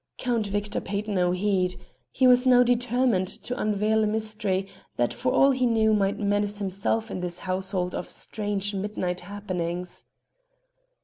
Count Victor paid no heed: he was now determined to unveil a mystery that for all he knew might menace himself in this household of strange midnight happenings.